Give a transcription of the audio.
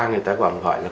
người ta gọi là